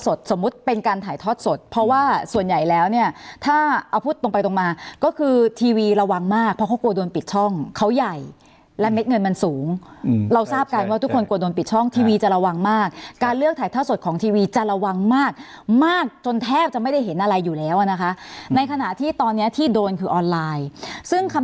สมมุติเป็นการถ่ายทอดสดเพราะว่าส่วนใหญ่แล้วเนี่ยถ้าเอาพูดตรงไปตรงมาก็คือทีวีระวังมากเพราะเขากลัวโดนปิดช่องเขาใหญ่และเม็ดเงินมันสูงเราทราบกันว่าทุกคนกลัวโดนปิดช่องทีวีจะระวังมากการเลือกถ่ายทอดสดของทีวีจะระวังมากมากจนแทบจะไม่ได้เห็นอะไรอยู่แล้วอ่ะนะคะในขณะที่ตอนเนี้ยที่โดนคือออนไลน์ซึ่งคำ